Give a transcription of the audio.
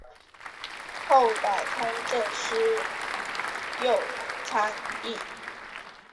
后改通政司右参议。